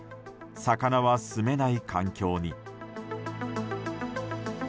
魚はすめない環境に。